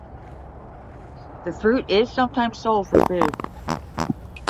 The fruit is sometimes sold for food.